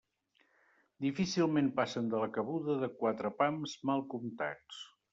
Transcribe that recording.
Difícilment passen de la cabuda de quatre pams mal comptats.